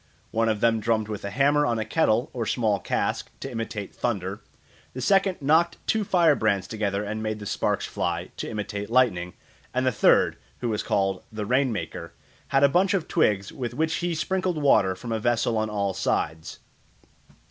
One of them drummed with a hammer on a kettle or small cask to imitate thunder; the second knocked two fire brands together and made the sparks fly, to imitate lightning; and the third, who was called "the rain maker," had a bunch of twigs with which he sprinkled water from a vessel on all sides.